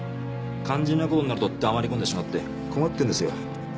肝心な事になると黙り込んでしまって困ってるんですよ。